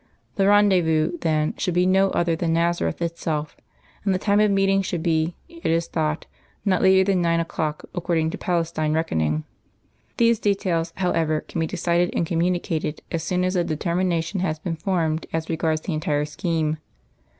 The rendezvous, then, should be no other than Nazareth itself; and the time of meeting should be, it is thought, not later than nine o'clock according to Palestine reckoning. These details, however, can be decided and communicated as soon as a determination has been formed as regards the entire scheme.